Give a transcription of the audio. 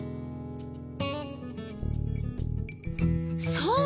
そう。